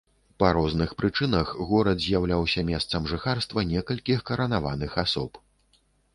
Па розных прычынах горад з'яўляўся месцам жыхарства некалькіх каранаваных асоб.